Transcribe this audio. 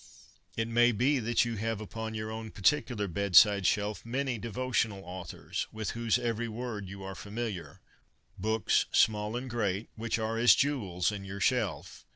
It may be that you have upon your own particular bedside shelf many ' devotional authors ' with whose every word you are familiar — books, small and great, which are as jewels in your shelf.